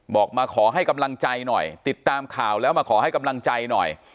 บอกมาขอให้กำลังใจหน่อยติดตามข่าวแล้วมาขอให้กำลังใจหน่อย